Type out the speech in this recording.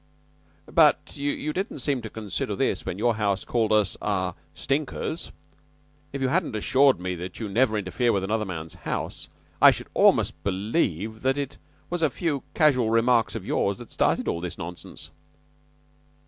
"But you didn't seem to consider this when your house called us ah stinkers. If you hadn't assured me that you never interfere with another man's house, I should almost believe that it was a few casual remarks of yours that started all this nonsense."